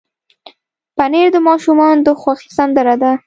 پنېر د ماشومانو د خوښې سندره ده.